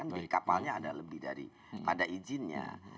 di kapalnya ada lebih dari pada izinnya